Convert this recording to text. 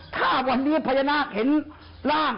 ถ้าวันนี้พญานาคเห็นร่าง